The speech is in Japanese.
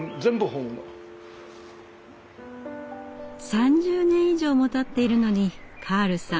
３０年以上もたっているのにカールさん